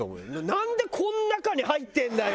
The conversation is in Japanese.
「なんでこの中に入ってんだよ！」